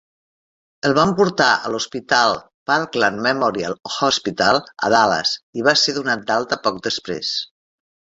El van portar a l'hospital Parkland Memorial Hospital, a Dallas, i va ser donat d'alta poc després.